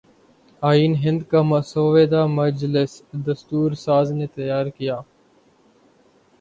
آئین ہند کا مسودہ مجلس دستور ساز نے تیار کیا